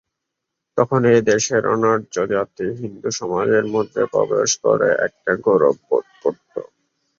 তখন এ দেশের অনার্য জাতি হিন্দুসমাজের মধ্যে প্রবেশ করে একটা গৌরব বোধ করত।